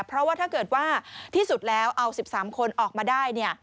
เพราะว่าถ้าเกิดว่าที่สุดแล้วเอา๑๓คนออกมาได้